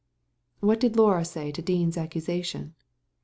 "What did Laura say to Dean's accusation?"